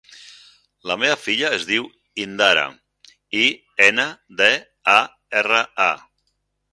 La meva filla es diu Indara: i, ena, de, a, erra, a.